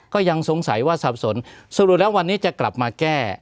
ก็ยังสงสัยว่าสับสนสรุปแล้ววันนี้จะกลับมาแก้